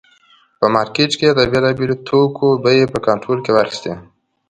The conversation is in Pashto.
په مارکېټ کې یې د بېلابېلو توکو بیې په کنټرول کې واخیستې.